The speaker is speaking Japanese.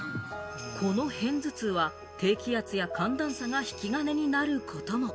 この片頭痛は低気圧や寒暖差が引き金となることも。